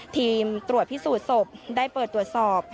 ทีมตรวจพิสูจน์ศพได้เปิดตรวจสอบ